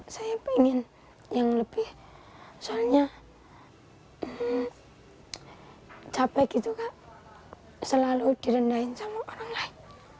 saya pengen yang lebih soalnya capek gitu kak selalu direndahin sama orang lain